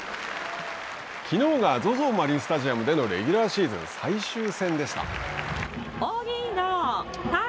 きのうがＺＯＺＯマリンスタジアムでのレギュラーシーズン最終戦でした。